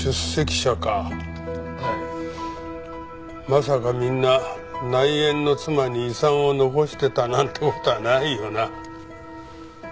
まさかみんな内縁の妻に遺産を残してたなんて事はないよな？え？